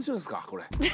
これ。